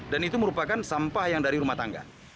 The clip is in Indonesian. dan itu merupakan sampah yang dari rumah tangga